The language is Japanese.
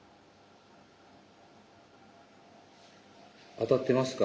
あたってますか？